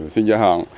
xuyên gia hạn